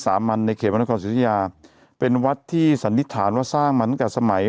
สามรรณในเขตมนุษยศิษยาเป็นวัดที่สันนิษฐานว่าสร้างเหมือนกับสมัย